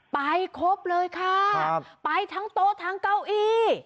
ไปครบเลยค่ะไปทั้งโต๊ะทั้งเก้าอี้